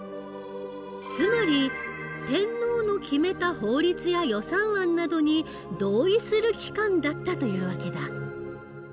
つまり天皇の決めた法律や予算案などに同意する機関だったという訳だ。